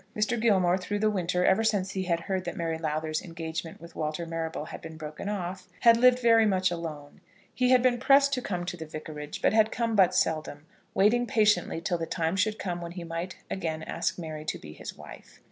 Mr. Gilmore, through the winter, ever since he had heard that Mary Lowther's engagement with Walter Marrable had been broken off, had lived very much alone. He had been pressed to come to the Vicarage, but had come but seldom, waiting patiently till the time should come when he might again ask Mary to be his wife.